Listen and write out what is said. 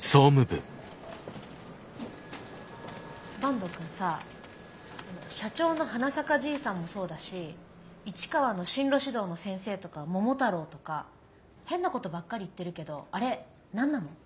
坂東くんさ社長のはなさかじいさんもそうだし市川の進路指導の先生とか桃太郎とか変なことばっかり言ってるけどあれ何なの？